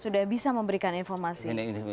sudah bisa memberikan informasi